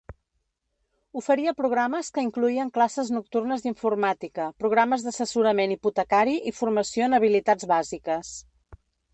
Oferia programes que incloïen classes nocturnes d'informàtica, programes d'assessorament hipotecari i formació en habilitats bàsiques.